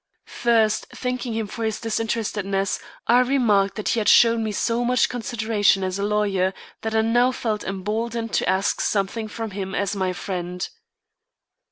First thanking him for his disinterestedness, I remarked that he had shown me so much consideration as a lawyer, that I now felt emboldened to ask something from him as my friend.